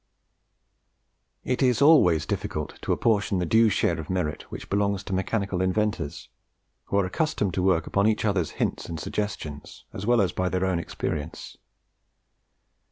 It is always difficult to apportion the due share of merit which belongs to mechanical inventors, who are accustomed to work upon each other's hints and suggestions, as well as by their own experience.